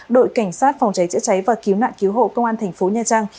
đội cảnh sát phòng cháy chữa cháy và cứu nạn cứu hộ công an thành phố nha trang